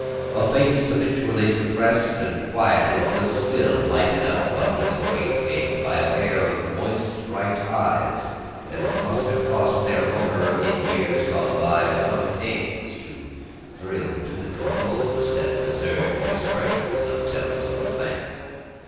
A face habitually suppressed and quieted, was still lighted up under the quaint wig by a pair of moist bright eyes that it must have cost their owner, in years gone by, some pains to drill to the composed and reserved expression of Tellson's Bank.